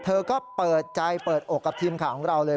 เธอก็เปิดใจเปิดอกกับทีมข่าวของเราเลย